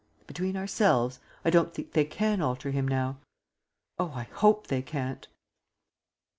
Between ourselves, I don't think they can alter him now.... Oh, I hope they can't.